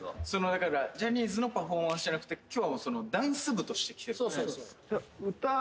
そのだからジャニーズのパフォーマンスじゃなくて今日はダンス部として来てるんで・